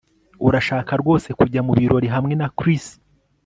Urashaka rwose kujya mubirori hamwe na Chris